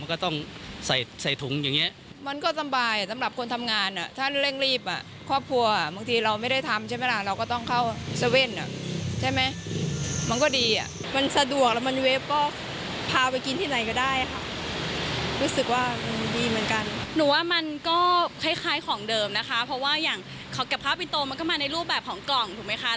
หนูว่ามันก็คล้ายของเดิมนะคะเพราะว่าอย่างเขากับข้าวปิ่นโตมันก็มาในรูปแบบของกล่องถูกมั้ยคะ